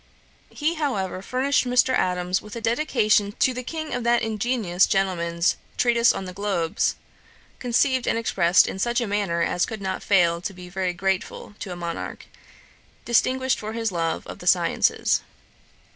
He, however, furnished Mr. Adams with a Dedication[*] to the King of that ingenious gentleman's Treatise on the Globes, conceived and expressed in such a manner as could not fail to be very grateful to a Monarch, distinguished for his love of the sciences.